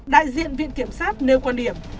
đại diện viện kiểm sát nêu quan điểm